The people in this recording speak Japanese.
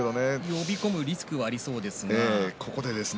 呼び込むリスクもありそうですね。